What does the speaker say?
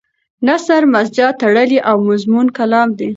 نثر مسجع تړلی او موزون کلام دی.